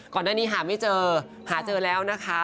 ก่อนหน้านี้หาไม่เจอหาเจอแล้วนะคะ